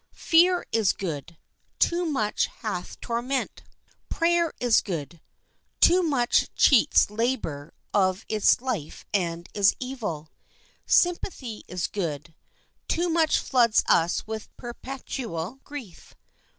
Fear is good; too much hath torment. Prayer is good; too much cheats labor of its life and is evil. Sympathy is good; too much floods us with perpetual grief.